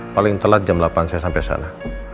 paling telat jam delapan saya sampai sana